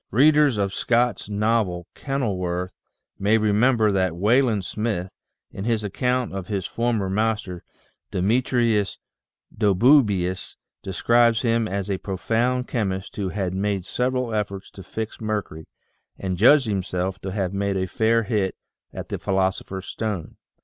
Readers of Scott's novel, " Kenilworth," may remember that Wayland Smith, in his account of his former master, Demetrius Doboobius, describes him as a profound chemist who had " made several efforts to fix mercury, and judged himself to have made a fair hit at the philosopher's stone."